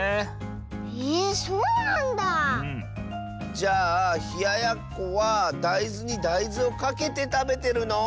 じゃあひややっこはだいずにだいずをかけてたべてるの？